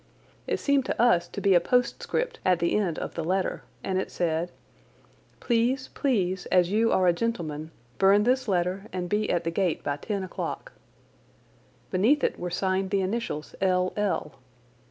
It seemed to us to be a postscript at the end of the letter and it said: 'Please, please, as you are a gentleman, burn this letter, and be at the gate by ten o clock. Beneath it were signed the initials L. L."